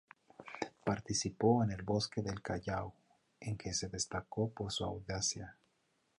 Participó en el bloqueo del Callao, en que se destacó por su audacia.